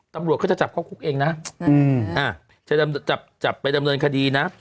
ตำรวจเขาจะจับเข้าคุกเองนะจะจับไปดำเนินคดีนะ